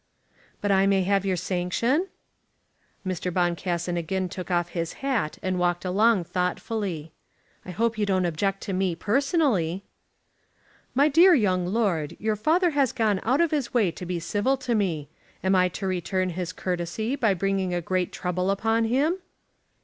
"But I may have your sanction?" Mr. Boncassen again took off his hat and walked along thoughtfully. "I hope you don't object to me personally." "My dear young lord, your father has gone out of his way to be civil to me. Am I to return his courtesy by bringing a great trouble upon him?"